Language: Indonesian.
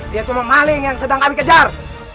dia cuma maling yang sedang kami kejar